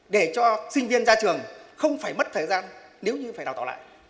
để cho sinh viên ra trường không phải mất thời gian nếu như phải đào tạo lại